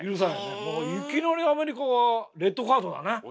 もういきなりアメリカはレッドカードだね！